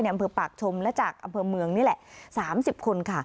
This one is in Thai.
อำเภอปากชมและจากอำเภอเมืองนี่แหละ๓๐คนค่ะ